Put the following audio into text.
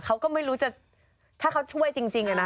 เขาก็ไม่รู้จะถ้าเขาช่วยจริงอะนะ